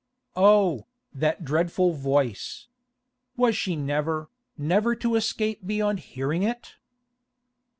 Oh, that dreadful voice! Was she never, never to escape beyond hearing of it?